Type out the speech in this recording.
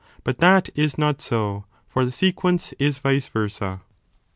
But that is not so ; for the sequence is vice versa.